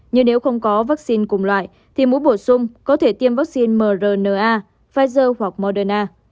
nhưng nếu không có vắc xin cùng loại thì mũi bổ sung có thể tiêm vắc xin mrna pfizer hoặc moderna